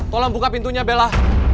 tolong buka pintunya bella